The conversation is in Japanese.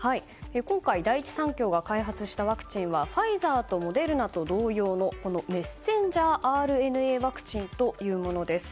今回、第一三共が開発したワクチンはファイザーとモデルナと同様のメッセンジャーＲＮＡワクチンというものです。